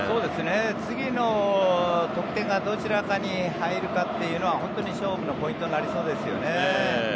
次の得点がどちらかに入るかというのは本当に勝負のポイントになりそうですよね。